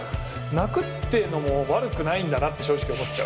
泣くってのも悪くないんだなって正直思っちゃう。